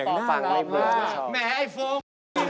ตอบฟังได้เบลกชอบแม่ไอ้ฟง